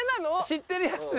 知ってるやつを。